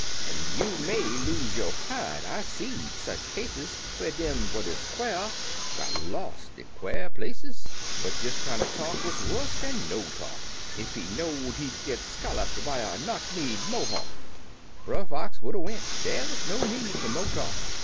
" An' you may lose yo' hide — I've seed sech cases, Whar dem what 'uz quare got los' in quare places." But dis kinder talk wuz wuss dan no talk — Ef he know'd he'd git scolloped by a knock kneed Mohawk, Brer Fox would 'a' went — dey wuz no needs fer tno' talk.